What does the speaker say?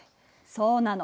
そうなの。